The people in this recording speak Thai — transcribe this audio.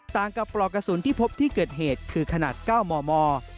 ต่างกับปลอกกระสุนที่พบที่เกิดเหตุคือขนาด๙มม